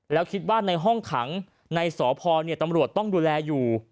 แล้วคิดว่าในห้องขังในสพตำรวจต้องดูแลอยู่